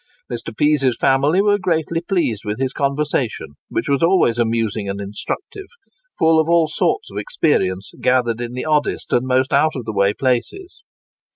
Mr. Pease's family were greatly pleased with his conversation, which was always amusing and instructive; full of all sorts of experience, gathered in the oddest and most out of the way places.